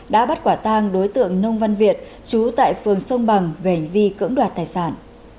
đã bắt quả tang đối tượng nông văn việt chú tại phường sông bằng về hành vi cưỡng đoạt tài sản